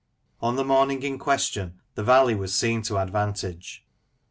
On the morning in question, the valley was seen to advantage.